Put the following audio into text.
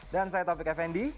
dan saya taufik effendi